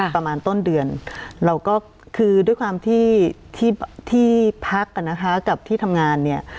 ประมาณต้นเดือนเราก็คือด้วยความที่ที่พักอ่ะนะคะกับที่ทำงานเนี่ย